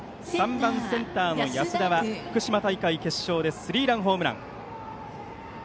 ３番センターの安田は福島大会決勝でスリーランホームラン。